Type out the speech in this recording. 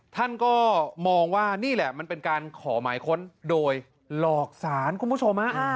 ท่านก็มองว่านี่แหละมันเป็นการขอหมายค้นโดยหลอกสารคุณผู้ชม